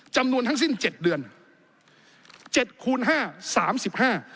จำนวนทั้งสิ้น๗เดือน๗คูณ๕สำหรับ๓๕